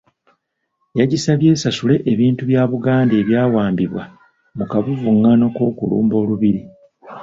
Yagisabye esasule ebintu bya Buganda ebyawambibwa mu kavuvungano k’okulumba Olubiri.